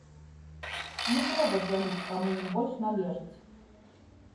Не трэба дзяліць, каму ён больш належыць.